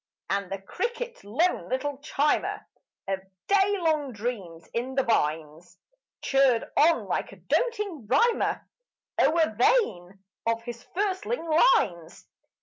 And the cricket, lone little chimer Of day long dreams in the vines, Chirred on like a doting rhymer O'er vain of his firstling lines.